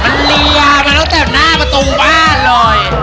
มันเรียวมาตั้งแต่หน้าประตูบ้านเลย